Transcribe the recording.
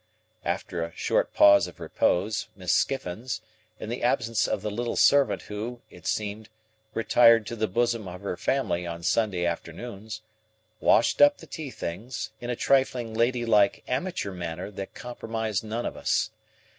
After a short pause of repose, Miss Skiffins—in the absence of the little servant who, it seemed, retired to the bosom of her family on Sunday afternoons—washed up the tea things, in a trifling lady like amateur manner that compromised none of us.